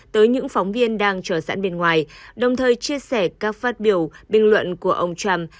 tới những phóng viên đang chờ sẵn bên ngoài đồng thời chia sẻ các phát biểu bình luận của ông trump